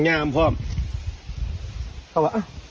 แล้วก็ได้